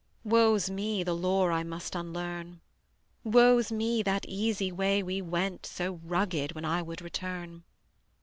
Woe's me the lore I must unlearn! Woe's me that easy way we went, So rugged when I would return!